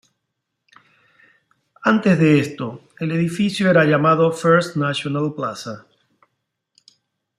Antes de esto el edificio era llamado "First National Plaza".